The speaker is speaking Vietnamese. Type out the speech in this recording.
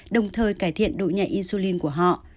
đồng thời cải thiện độ nhạy insulin của họ